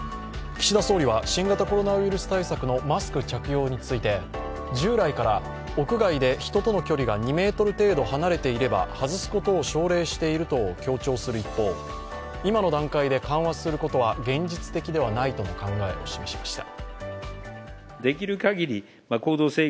岸田総理は、新型コロナウイルス対策のマスク着用について従来から屋外で人との距離が２ｍ程度離れていれば外すことを奨励していると強調する一方、今の段階で緩和することは現実的ではないとの考えを示しました。